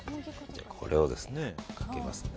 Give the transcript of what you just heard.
これをかけますね。